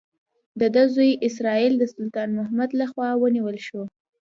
د ده زوی اسراییل د سلطان محمود لخوا ونیول شو.